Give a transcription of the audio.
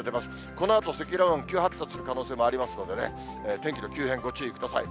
このあと、積乱雲、急発達する可能性もありますので、天気の急変ご注意ください。